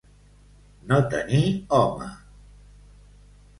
No tenir home.